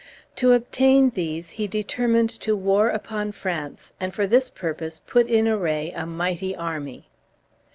To obtain these he determined to war upon France, and for this purpose put in array a mighty army.